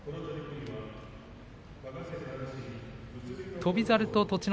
翔猿と栃ノ